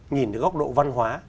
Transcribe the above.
nhìn được góc độ văn hóa